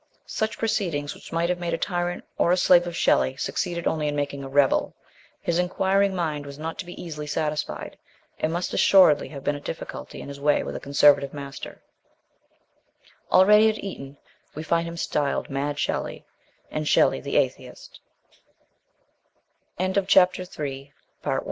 Such proceedings which might have made a tyrant or a slave of Shelley succeeded only in making a rebel; his inquiring mind was not to be SHELLEY. 41 easily satisfied, and must assuredly have been a difficulty in his way with a conservative master ; already, at Eton, we find him styled Mad Shelley and Shell